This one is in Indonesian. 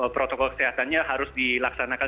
protokol kesehatannya harus dilaksanakan